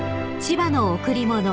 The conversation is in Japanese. ［『千葉の贈り物』］